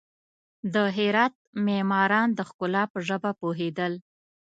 د هرات معماران د ښکلا په ژبه پوهېدل.